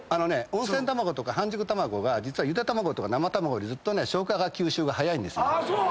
温泉卵とか半熟卵がゆで卵とか生卵よりずっと消化吸収が早いんです。